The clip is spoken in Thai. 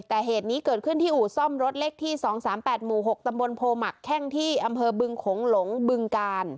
แต่เหตุนี้เกิดขึ้นที่อู่ซ่อมรถเลขที่๒๓๘หมู่๖ตำบลโพหมักแข้งที่อำเภอบึงโขงหลงบึงกาล